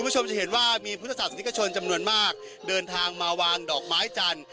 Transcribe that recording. สนิกชนจำนวนมากเดินทางมาวางดอกไม้จันทร์